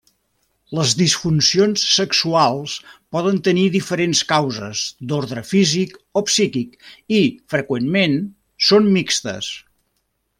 Les disfuncions sexuals poden tenir diferents causes d'ordre físic o psíquic i, freqüentment, són mixtes.